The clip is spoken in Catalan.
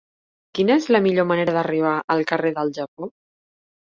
Quina és la millor manera d'arribar al carrer del Japó?